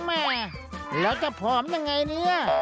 แม่แล้วจะผอมยังไงเนี่ย